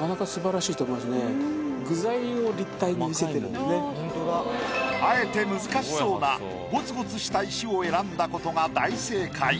いやもうこれあえて難しそうなゴツゴツした石を選んだことが大正解。